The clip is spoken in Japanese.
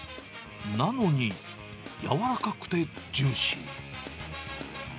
なのに、柔らかくてジューシー。